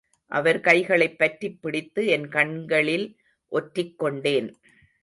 அவர் கைகளைப் பற்றி பிடித்து என் கண்களில் ஒற்றிக்கொண்டேன்.